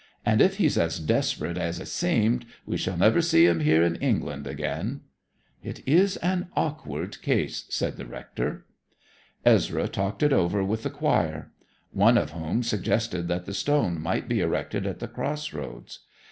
'And if he's as desperate as 'a seemed, we shall never see him here in England again.' 'It is an awkward case,' said the rector. Ezra talked it over with the choir; one of whom suggested that the stone might be erected at the crossroads.